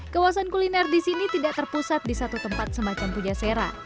kawasan kuliner di sini tidak terpusat di satu tempat semacam pujasera